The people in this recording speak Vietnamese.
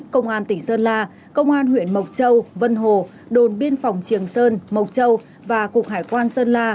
công an tỉnh sơn la công an huyện mộc châu vân hồ đồn biên phòng triềng sơn mộc châu và cục hải quan sơn la